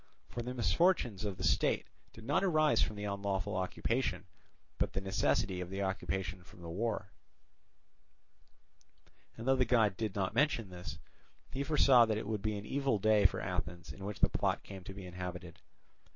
For the misfortunes of the state did not arise from the unlawful occupation, but the necessity of the occupation from the war; and though the god did not mention this, he foresaw that it would be an evil day for Athens in which the plot came to be inhabited.